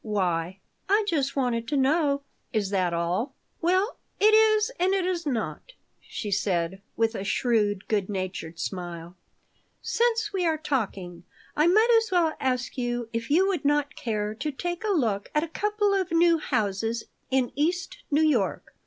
Why?" "I just wanted to know." "Is that all?" "Well, it is and it is not," she said, with a shrewd, good natured smile. "Since we are talking, I might as well ask you if you would not care to take a look at a couple of new houses in East New York."